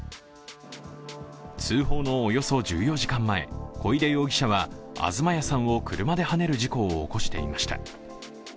通報のおよそ１４時間前、小出容疑者は東谷さんを車ではねる事故を起こしていました。